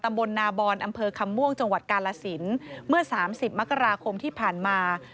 บนนาบอนอำเภอคำม่วงจังหวัดกาลสินเมื่อ๓๐มกราคมที่ผ่านมา